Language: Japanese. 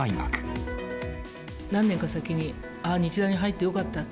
何年か先に、ああ、日大に入ってよかった。